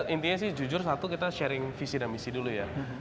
intinya sih jujur satu kita sharing visi dan misi dulu ya